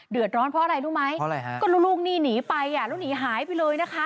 เดือดร้อนเพราะอะไรรู้ไหมอะไรฮะก็ลูกนี่หนีไปอ่ะแล้วหนีหายไปเลยนะคะ